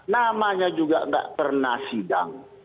namanya juga nggak pernah sidang